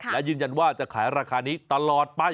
และยืนยันว่าจะขายราคานี้ตลอดไป